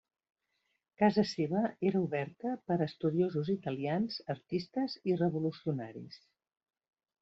Casa seva era oberta per a estudiosos italians, artistes i revolucionaris.